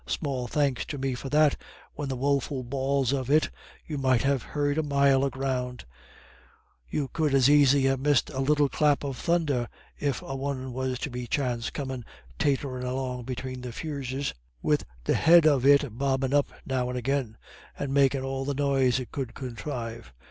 "Small thanks to me for that, when the woful bawls of it you might have heard a mile o' ground. You could as aisy ha' missed a little clap of thunder, if a one was be chance comin' tatterin' along between the furzes, wid the head of it bobbin' up now and agin, and makin' all the noise it could conthrive.